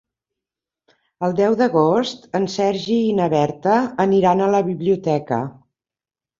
El deu d'agost en Sergi i na Berta aniran a la biblioteca.